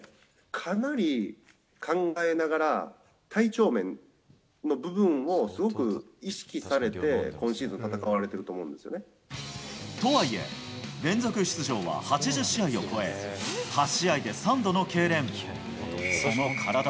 かなり考えながら、体調面の部分を、すごく意識されて、今シーズとはいえ、連続出場は８０試合を超え、８試合で３度のけいれん。